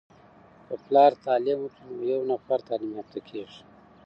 که پلار تعليم وکړی نو یو نفر تعليم يافته کیږي.